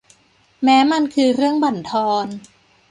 แม้มันคือเรื่องบั่นทอน